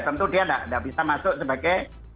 tentu dia tidak bisa masuk sebagai